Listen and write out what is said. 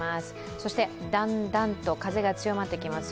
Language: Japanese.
そしてだんだんと風が強まってきますよ。